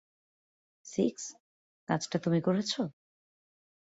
Six, কাজটা তুমি করেছ?